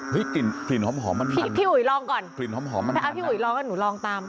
พี่กลิ่นหอมมันมันพี่อุ๋ยลองก่อนพี่อุ๋ยลองก่อนหนูลองตาม